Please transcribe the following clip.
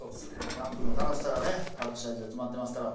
キャンプの楽しさがね隠し味で詰まってますから。